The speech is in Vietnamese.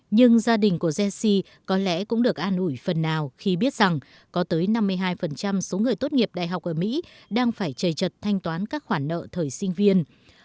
nhưng gia đình của jesse có lẽ cũng được an ủi phần nào khi biết rằng có tới năm mươi hai số người tốt nghiệp đại học ở mỹ đang phải trầy trật thanh toán các khoản nợ thời sinh viên